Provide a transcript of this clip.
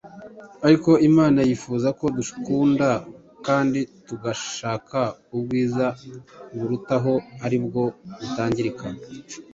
ariko imana yifuza ko dukunda kandi tugashaka ubwiza burutaho aribwo butangirika.